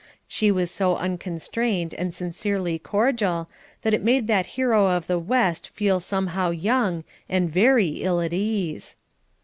She was so unconstrained and sincerely cordial, that it made that hero of the west feel somehow young, and very ill at ease.